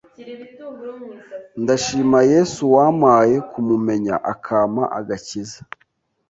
Ndashima Yesu wampaye kumumenya, akamapa agakiza,